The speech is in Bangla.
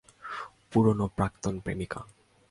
পুরনো প্রাক্তন প্রেমিকা।